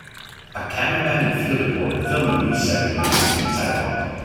A cameraman and field reporter film a news segment on a street sidewalk.